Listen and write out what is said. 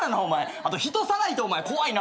あと人さらいってお前怖いな。